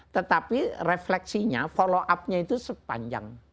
tetapi refleksinya follow upnya itu sepanjang